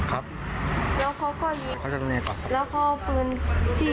ครับแล้วเขาก็ยิงแล้วเขาเอาปืนที่ที่หัวหนูครับแล้วแม่เทาเดินเข้ามาพอดี